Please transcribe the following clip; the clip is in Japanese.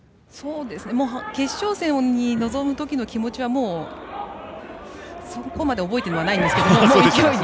決勝戦に臨むときの気持ちはそこまで覚えてもないんですけど勢いで。